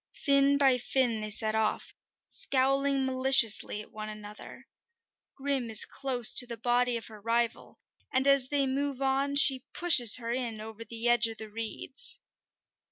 Fin by fin they set off, scowling maliciously at one another. Grim is close to the body of her rival, and as they move on she pushes her in over the edge of the reeds.